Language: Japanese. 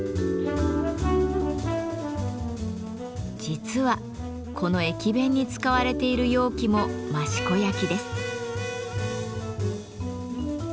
実はこの駅弁に使われている容器も「益子焼」です。